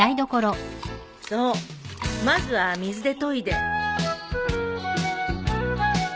そうまずは水でといで。